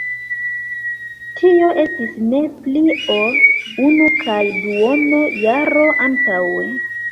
Tio estis ne pli ol unu kaj duono jaro antaŭe.